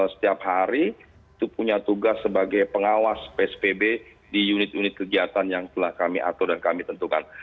setiap hari itu punya tugas sebagai pengawas pspb di unit unit kegiatan yang telah kami atur dan kami tentukan